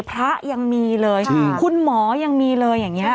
พระยังมีเลยคุณหมอยังมีเลยอย่างนี้